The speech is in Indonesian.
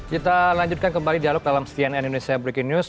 kita lanjutkan kembali dialog dalam cnn indonesia breaking news